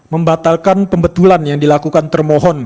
membatalkan pembetulan yang dilakukan termohon